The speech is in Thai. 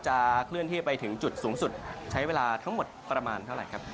เคลื่อนที่ไปถึงจุดสูงสุดใช้เวลาทั้งหมดประมาณเท่าไหร่ครับ